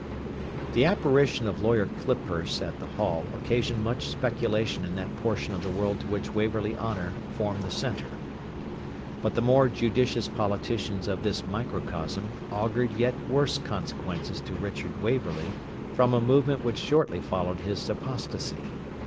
The apparition of Lawyer Clippurse at the Hall occasioned much speculation in that portion of the world to which Waverley Honour formed the centre. But the more judicious politicians of this microcosm augured yet worse consequences to Richard Waverley from a movement which shortly followed his apostasy.